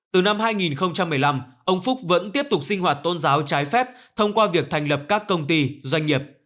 từ năm hai nghìn một mươi năm ông phúc vẫn tiếp tục sinh hoạt tôn giáo trái phép thông qua việc thành lập các công ty doanh nghiệp